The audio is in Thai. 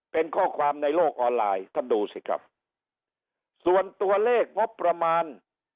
เป็นข้อความในโลกออนไลน์ท่านดูสิครับส่วนตัวเลขงบประมาณ